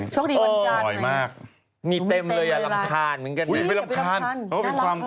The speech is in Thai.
ช่วงดีวันจันทร์เนี่ยอร่อยมากเต็มเลยรำคาญเหมือนกันอุ้ยบีบีรำคาญ